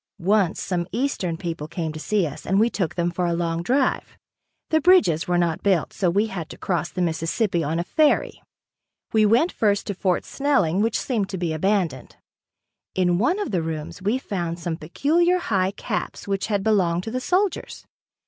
Once some eastern people came to see us and we took them for a long drive. The bridges were not built, so we had to cross the Mississippi on a ferry. We went first to Fort Snelling which seemed to be abandoned. In one of the rooms we found some peculiar high caps which had belonged to the soldiers.